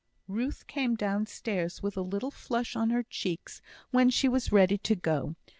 Ruth came downstairs with a little flush on her cheeks when she was ready to go.